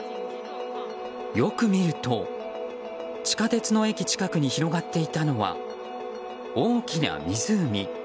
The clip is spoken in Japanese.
よく見ると、地下鉄の駅近くに広がっていたのは大きな湖。